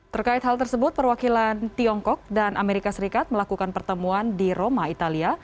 terkait hal tersebut perwakilan tiongkok dan amerika serikat melakukan pertemuan di roma italia